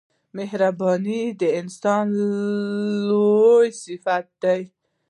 • مهرباني د انسان لوړ صفت دی.